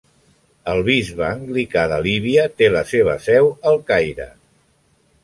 El bisbe anglicà de Líbia té la seva seu al Caire.